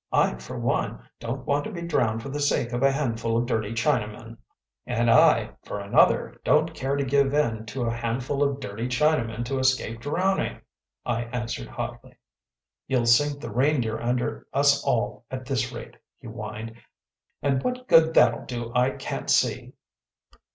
I, for one, don’t want to be drowned for the sake of a handful of dirty Chinamen.‚ÄĚ “And I, for another, don’t care to give in to a handful of dirty Chinamen to escape drowning,‚ÄĚ I answered hotly. “You’ll sink the Reindeer under us all at this rate,‚ÄĚ he whined. “And what good that’ll do I can’t see.